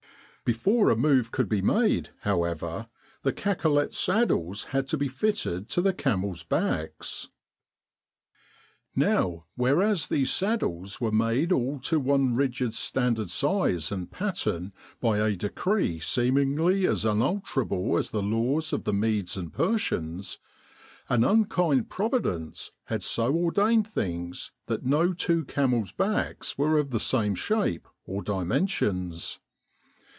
Before a move could be made, however, the cacolet saddles had to be fitted to the camels' backs. Now, whereas these saddles were made all to one rigid standard size and pattern by a decree seemingly as unalterable as the laws of the Medes and Persians, an unkind Providence had so ordained things that no two camels' backs were of the same shape or dimen sions.